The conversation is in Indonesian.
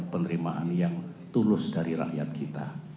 penerimaan yang tulus dari rakyat kita